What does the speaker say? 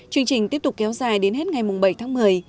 chương trình tiếp tục kéo dài đến hết ngày bảy tháng một mươi